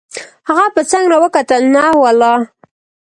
هغه په څنګ را وکتل: نه والله.